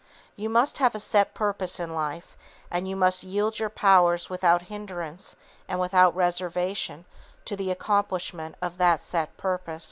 You must have a set purpose in life, and you must yield your powers without hindrance and without reservation to the accomplishment of that set purpose.